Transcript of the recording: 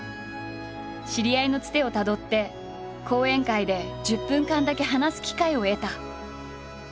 知り合いのつてをたどって講演会で１０分間だけ話す機会を得た。